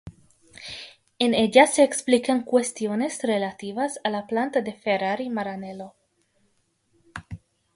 En ella se explican cuestiones relativas a la planta de Ferrari Maranello.